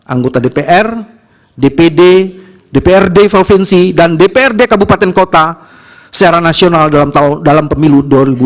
anggota dpr dpd dprd provinsi dan dprd kabupaten kota secara nasional dalam pemilu dua ribu dua puluh